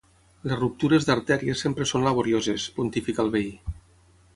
Les ruptures d'artèria sempre són laborioses —pontifica el veí.